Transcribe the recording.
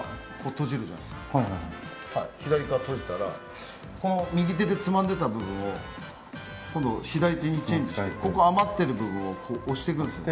開いて、閉じたら右手でつまんでいた部分を今度、左手にチェンジして余ってるところを押していくんですよ。